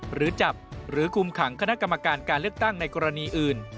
หรือจับหรือคุมขังคณะกรรมการการเลือกตั้งในกรณีอื่น